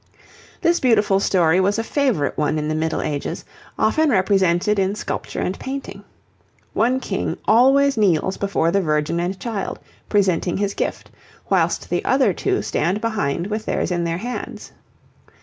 This beautiful story was a favourite one in the Middle Ages, often represented in sculpture and painting. One King always kneels before the Virgin and Child, presenting his gift, whilst the other two stand behind with theirs in their hands.